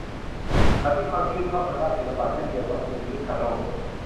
ฉันมีความชื่นชอบทางด้านศิลปะเช่นเดียวกับคุณริคาร์โด้